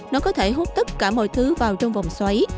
nó có thể hút tất cả mọi thứ vào trong vòng xoáy